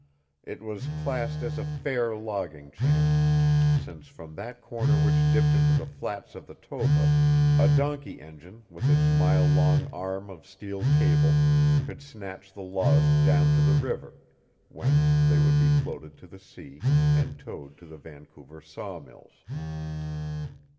It was classed as a fair logging chance, since from that corner which dipped into the flats of the Toba a donkey engine with its mile long arm of steel cable could snatch the logs down to the river, whence they would be floated to the sea and towed to the Vancouver sawmills.